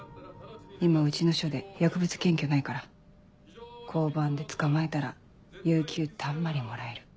今うちの署で薬物検挙ないから交番で捕まえたら有休たんまりもらえる。